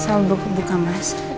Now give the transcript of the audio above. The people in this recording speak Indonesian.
selamat berbuka mas